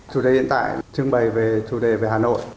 chủ đề hiện tại trưng bày về chủ đề về hà nội